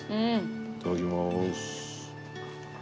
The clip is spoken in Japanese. いただきます。